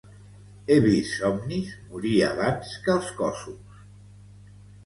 He vist somnis morir abans que els cossos.